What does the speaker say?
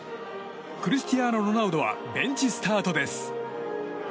クリスティアーノ・ロナウドはベンチスタートです。